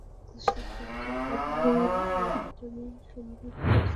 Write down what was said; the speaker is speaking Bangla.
শাকসবজি ও ফলমূল ‘এ’ ভিটামিনসমৃদ্ধ, যেগুলি বাড়ির আঙিনায় প্রায় নিখরচায় ফলানো যায়।